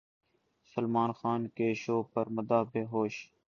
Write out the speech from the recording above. Salman Khan show شو پر مداح بےہوش